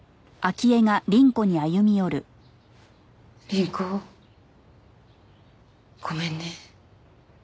凛子ごめんね。